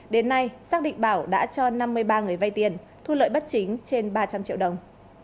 đến nay xác định bảo đã cho năm mươi ba người vay tiền thu lợi bất chính trên ba trăm linh triệu đồng